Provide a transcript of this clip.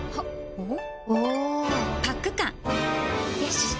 おっ！